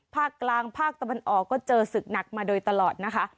ภาคกลางภาคตะวันออกก็เจอศึกหนักมาโดยตลอดนะคะ